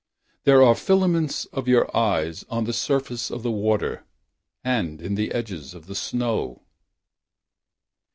There are filaments of your eyes On the surface of the water And in the edges of the snow.